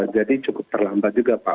jadi cukup terlambat juga pak